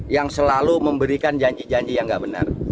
yang selalu memberikan janji janji yang tidak benar